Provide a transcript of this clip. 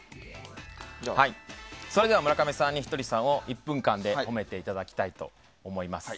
それでは村上さんにひとりさんを１分間で褒めていただきたいと思います。